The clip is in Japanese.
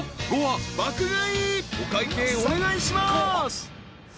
［お会計お願いします］